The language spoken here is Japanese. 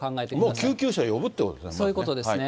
もう救急車呼ぶってことですね。